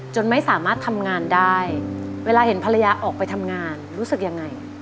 ไม่สามารถทำงานได้เวลาเห็นภรรยาออกไปทำงานรู้สึกยังไง